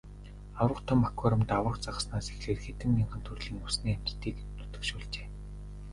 Аварга том аквариумд аварга загаснаас эхлээд хэдэн мянган төрлийн усны амьтдыг нутагшуулжээ.